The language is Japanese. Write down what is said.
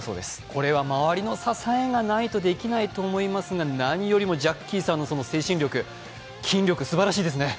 これは周りの支えがないとできないと思いますが何よりもジャッキーさんの精神力、筋力、すばらしいですね。